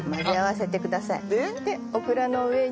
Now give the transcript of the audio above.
でオクラの上に。